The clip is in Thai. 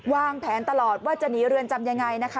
วางแผนตลอดว่าจะหนีเรือนจำยังไงนะคะ